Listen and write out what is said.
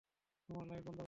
তোমার লাইট বন্ধ কর।